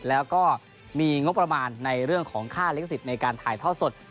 แล้วก็มีงบประมาณในเรื่องของค่าลิขสิทธิ์ในการถ่ายทอดสด